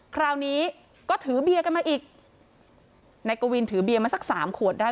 คราวนี้ก็ถือเบียร์กันมาอีกนายกวินถือเบียร์มาสักสามขวดได้